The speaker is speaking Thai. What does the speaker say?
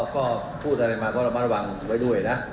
ก็พูดอะไรมาก็ระมัดระวังไว้ด้วยนะ